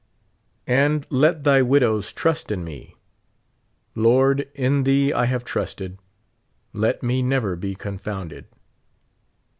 And let thy widows trust in me. Lord, in thee I have trusted, let me never be confounded.